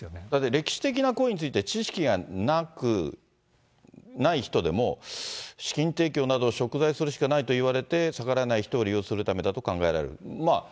歴史的な行為について、知識がなく、ない人でも、資金提供など、しょく罪するしかないと言われて、逆らえない人を利用するためだと考えられる。